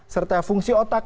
serta fungsi otot